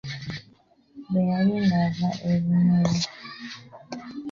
Bwe yali ng’ava e Bunyoro.